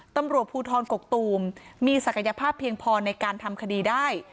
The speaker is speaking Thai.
ตำรวจภูทรกกตูมมีศักยภาพเพียงพอในการทำคดีได้